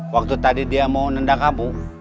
waktu tadi dia mau nenda kamu